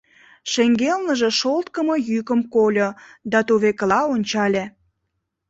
Шеҥгелныже шолткымо йӱкым кольо да тувекыла ончале.